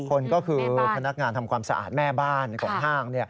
คนก็คือพนักงานทำความสะอาดแม่บ้านของห้าง